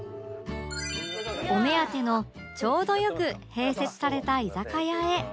お目当てのちょうどよく併設された居酒屋へ